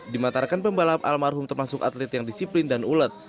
dimatarakan pembalap almarhum termasuk atlet yang disiplin dan ulet